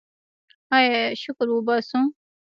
آیا شکر وباسو؟